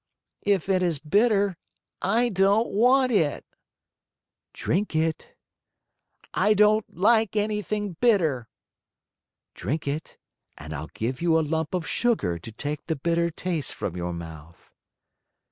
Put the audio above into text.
"If it is bitter, I don't want it." "Drink it!" "I don't like anything bitter." "Drink it and I'll give you a lump of sugar to take the bitter taste from your mouth."